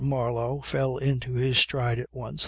Marlow fell into his stride at once.